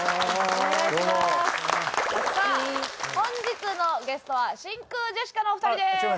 さあ本日のゲストは真空ジェシカのお二人です。